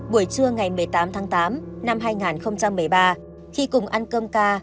buổi trưa ngày một mươi tám tháng tám năm hai nghìn một mươi ba khi cùng ăn cơm ca